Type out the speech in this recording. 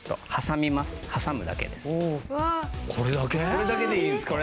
これだけでいいんですか？